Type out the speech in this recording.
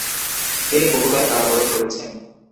তিনি বহুবার কারাবরণ করেছেন।